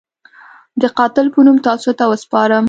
د قاتل په نوم تاسو ته وسپارم.